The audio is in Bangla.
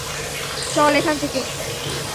চল এখান থেকে।